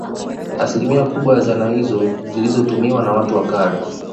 Asilimia kubwa ya zana izo zilizotumiwa na watu wa kale